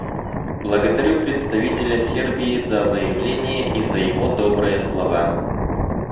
Благодарю представителя Сербии за заявление и за его добрые слова.